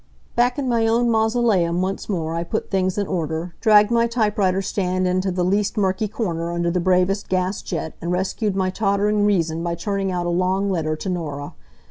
Back in my own mausoleum once more I put things in order, dragged my typewriter stand into the least murky corner under the bravest gas jet and rescued my tottering reason by turning out a long letter to Norah.